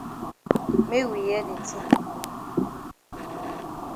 Make we hear de tin.